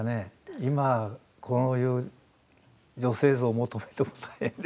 今こういう女性像を求めても。